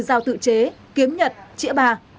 giao tự chế kiếm nhật trĩa bà